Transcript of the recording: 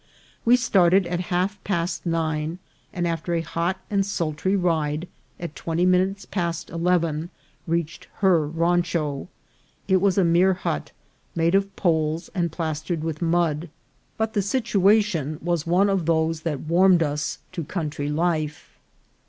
We started at half past nine, and, after a hot and sultry ride, at twenty minutes past eleven reached her rancho. It was a mere hut, made of poles and plastered with mud, but the situation was one of those that warmed us to VOL. II.— K K 258 INCIDENTS OF TRAVEL. country life.